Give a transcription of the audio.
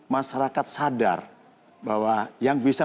masyarakat sadar bahwa yang bisa